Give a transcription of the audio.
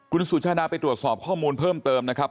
คุณสุชาดาไปตรวจสอบข้อมูลเพิ่มเติมนะครับ